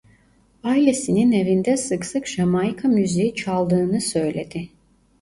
Ailesinin evinde sık sık Jamaika müziği çaldığını söyledi.